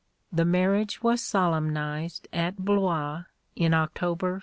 (1) The marriage was solemnised at Blois in October 1509.